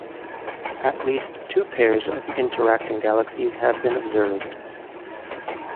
At least two pairs of interacting galaxies have been observed.